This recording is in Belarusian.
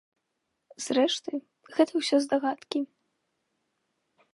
Зрэшты, гэта ўсё здагадкі.